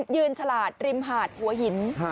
ฉลาดริมหาดหัวหิน